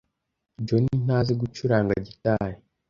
John ntazi gucuranga gitari.